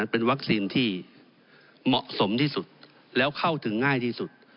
เป็นวัคซีนที่เหมาะสมที่สุดแล้วเข้าถึงง่ายที่สุด